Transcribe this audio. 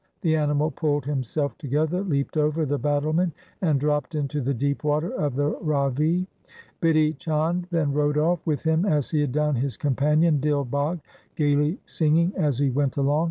The animal pulled himself together, leaped over the battlement, and dropped into the deep water of the Ravi. Bidhi Chand then rode off with him as he had done his companion Dil Bagh, gaily singing as he went along.